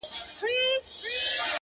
د وخت ناخوالي كاږم’